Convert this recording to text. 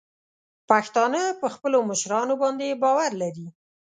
پښتانه په خپلو مشرانو باندې باور لري.